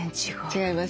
違いますね。